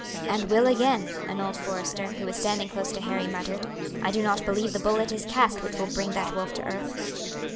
"And will again," an old forester, who was standing close to Harry, muttered. "I do not believe the bullet is cast which will bring that wolf to earth."